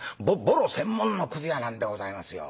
ボロ専門のくず屋なんでございますよ。